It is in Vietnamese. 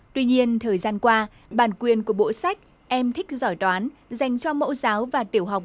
tuy nhiên thời gian qua bản quyền của bộ sách em thích giỏi toán dành cho mẫu giáo và tiểu học